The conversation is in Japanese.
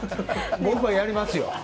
僕はやりますよ。